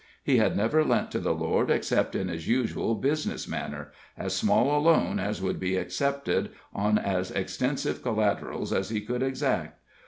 He had never lent to the Lord except in his usual business manner as small a loan as would be accepted, on as extensive collaterals as he could exact.